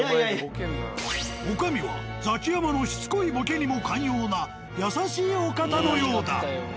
女将はザキヤマのしつこいボケにも寛容な優しいお方のようだ。